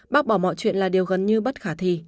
bác bỏ mọi chuyện là điều gần như bất khả thi